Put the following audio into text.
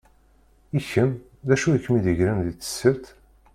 I kem, d acu i kem-id-igren di tessirt?